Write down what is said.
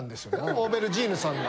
オーベルジーヌさんが。